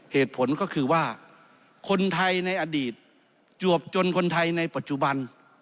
เหตุผลก็คือว่าคนไทยในอดีตจวบจนคนไทยในปัจจุบัน